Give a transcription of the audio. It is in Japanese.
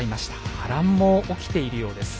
波乱も起きているようです。